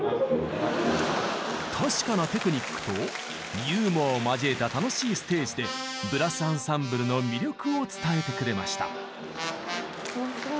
確かなテクニックとユーモアを交えた楽しいステージでブラス・アンサンブルの魅力を伝えてくれました。